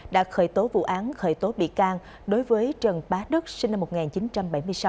đã khởi tố vụ án khởi tố bị can đối với trần bá đức sinh năm một nghìn chín trăm bảy mươi sáu